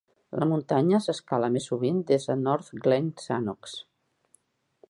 La muntanya s'escala més sovint des de North Glenn Sannox.